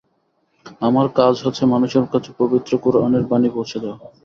আমার কাজ হচ্ছে মানুষের কাছে পবিত্র কোরআনের বাণী পৌঁছে দেওয়া।